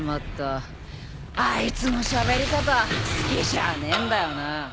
あいつのしゃべり方好きじゃねえんだよな。